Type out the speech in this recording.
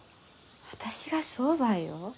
私が商売を？